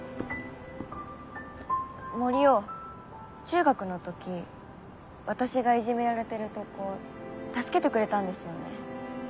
森生中学の時私がいじめられてるとこ助けてくれたんですよね。